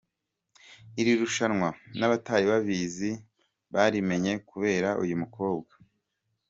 Iri rushanwa n’abatari barizi barimenye kubera uyu mukobwa.